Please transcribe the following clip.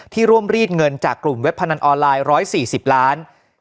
ร่วมรีดเงินจากกลุ่มเว็บพนันออนไลน์๑๔๐ล้าน